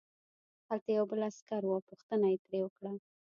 هلته یو بل عسکر و او پوښتنه یې ترې وکړه